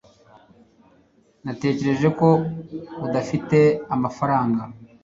natekereje ko udafite amafaranga